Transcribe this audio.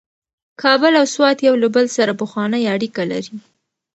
کابل او سوات یو له بل سره پخوانۍ اړیکې لري.